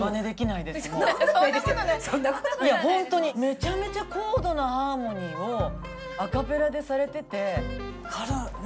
いや本当にめちゃめちゃ高度なハーモニーをアカペラでされてて。